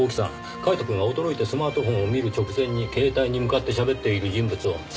カイトくんが驚いてスマートホンを見る直前に携帯に向かって喋っている人物を捜せますか？